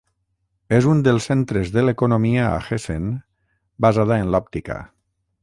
És un dels centres de l'economia a Hessen, basada en l'òptica.